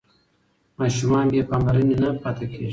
ماشومان بې پاملرنې نه پاتې کېږي.